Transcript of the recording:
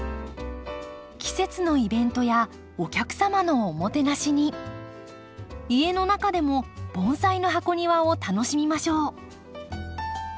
季節のイベントやお客様のおもてなしに家の中でも盆栽の箱庭を楽しみましょう。